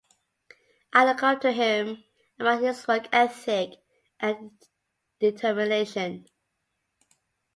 I look up to him and admire his work ethic and determination.